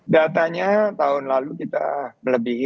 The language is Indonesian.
datanya tahun lalu kita melebihi